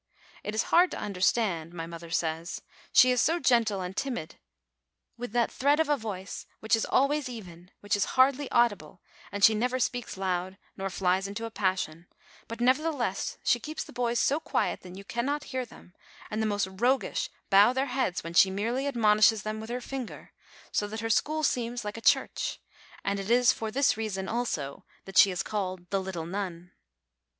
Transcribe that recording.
It is hard to understand, my mother says; she is so gentle and timid, with that thread of a voice, which is always even, which is hardly audible, and she never speaks loud nor flies into a passion; but, nevertheless, she keeps the boys so quiet that you cannot hear them, and the most roguish bow their heads when she merely ad monishes them with her finger, so that her school seems like a church ; and it is for this reason, also, that she is called "the little nun."